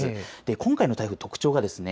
今回の台風、特徴がですね